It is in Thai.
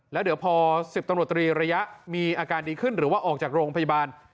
แล้วเดี๋ยวพอ๑๐ตำรวจตรีระยะมีอาการดีขึ้นหรือว่าออกจากโรงพยาบาล